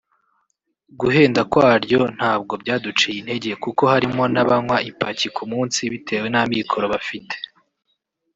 Guhenda kwaryo ntabwo byaduciye intege kuko harimo n’abanywa ipaki ku munsi bitewe n’amikoro bafite